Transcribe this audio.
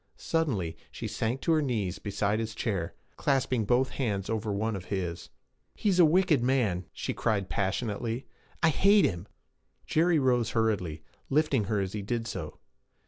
Suddenly she sank to her knees beside his chair, clasping both hands over one of his. 'He is a wicked man!' she cried passionately. 'I hate him!' Jerry rose hurriedly, lifting her as he did so.